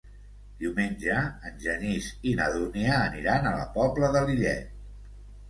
Diumenge en Genís i na Dúnia aniran a la Pobla de Lillet.